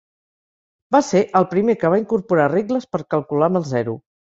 Va ser el primer que va incorporar regles per calcular amb el zero.